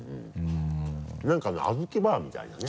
なんかねあずきバーみたいなね。